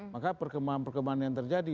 maka perkembangan perkembangan yang terjadi